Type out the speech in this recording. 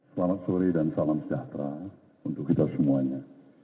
selamat sore dan salam sejahtera untuk kita semuanya